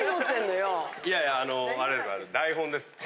いやいやあのあれですあれです。